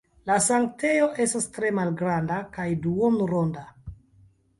La sanktejo estas tre malgranda kaj duonronda.